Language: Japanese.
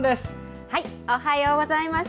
おはようございます。